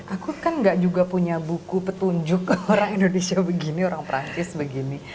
aku kan gak juga punya buku petunjuk orang indonesia begini orang perancis begini